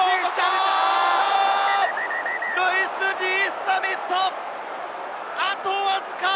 ルイス・リース＝ザミット、あとわずか！